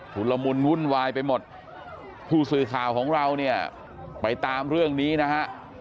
ละมุนวุ่นวายไปหมดผู้สื่อข่าวของเราเนี่ยไปตามเรื่องนี้นะฮะ